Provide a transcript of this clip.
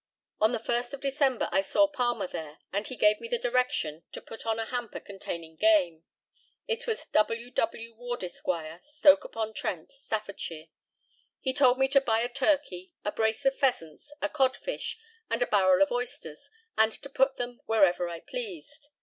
On the 1st of December I saw Palmer there, and he gave me the direction to put on a hamper containing game. It was "W. W. Ward, Esq., Stoke upon Trent, Staffordshire." He told me to buy a turkey, a brace of pheasants, a codfish, and a barrel of oysters; and to buy them wherever I pleased.